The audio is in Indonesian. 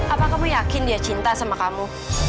apa kamu yakin dia cinta sama kamu